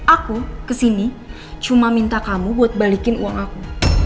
aku kesini cuma minta kamu buat balikin uang aku